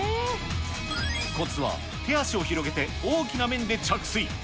こつは手足を広げて、大きな面で着水。